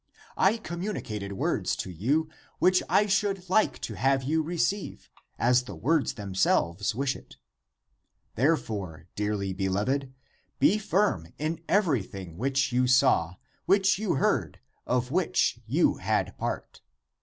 I communicated words to you which I should like to have you re ceive, as the words themselves wish it. Therefore, dearly beloved, be firm in everything which you saw, which you heard, of which you had part!